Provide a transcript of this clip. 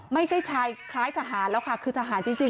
ไม่ใช่ชายคล้ายทหารแล้วค่ะคือทหารจริง